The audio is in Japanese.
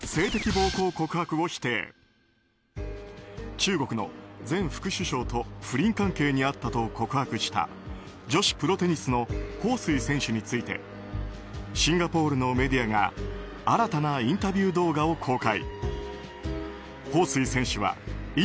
中国の前副首相と不倫関係にあったと告白した、女子プロテニスのホウ・スイ選手についてシンガポールのメディアが新たなインタビュー動画を公開。